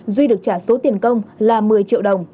duy được trả số tiền công là một mươi triệu đồng